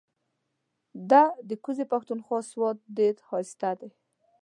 ده کوزی پښتونخوا سوات ډیر هائسته دې